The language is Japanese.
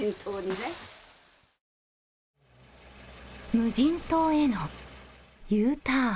無人島へのＵターン。